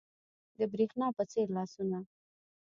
د برېښنا په څیر لاسونه